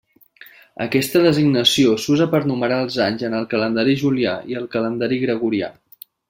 Aquesta designació s'usa per numerar els anys en el calendari julià i el calendari gregorià.